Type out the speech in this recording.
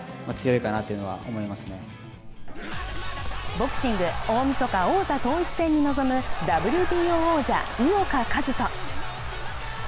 ボクシング、大みそか王座統一戦に臨むＷＢＯ王者、井岡一翔。